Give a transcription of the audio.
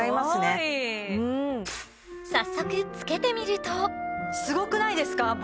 すごい早速着けてみるとすごくないですか？